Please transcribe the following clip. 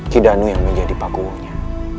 kidanu yang menjadi pakuhunya